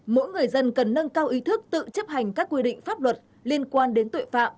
mỗi người dân cần nâng cao ý thức tự chấp hành các quy định pháp luật liên quan đến tuệ phạm